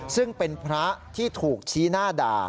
ซึ่งเป็นพระที่ถูกชี้หน้าด่า